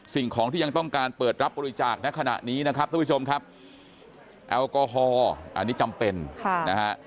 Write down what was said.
สิ่งของที่ยังต้องการเปิดรับบริจาคในขณะนี้นะครับท่านผู้ชมครับแอลกอฮอล์อันนี้จำเป็นค่ะนะฮะ